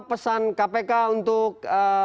pesan kpk untuk